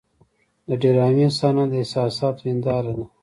د ډرامې صحنه د احساساتو هنداره ده.